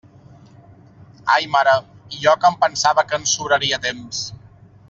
Ai mare, i jo que em pensava que ens sobraria temps.